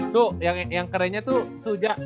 tuh yang kerennya tuh